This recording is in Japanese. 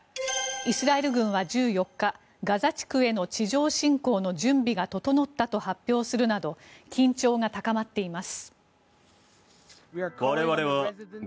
イスラエル軍は１４日ガザ地区への地上侵攻の準備が整ったと発表するなど緊張が高まっています。